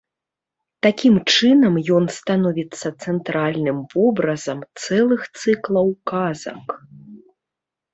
Такім чынам ён становіцца цэнтральным вобразам цэлых цыклаў казак.